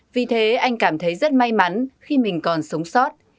vì thế anh cảm thấy rất may mắn khi mình còn sống sót